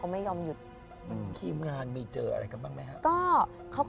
มีใครครับ